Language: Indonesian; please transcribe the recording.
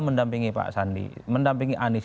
mendampingi pak sandi mendampingi anies